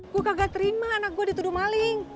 gue kagak terima anak gue dituduh maling